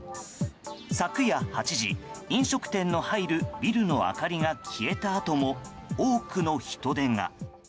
昨夜８時、飲食店の入るビルの明かりが消えたあとも多くの人出が。